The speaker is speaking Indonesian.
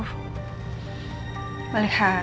melihat mantan suaminya sama hamili perempuan lain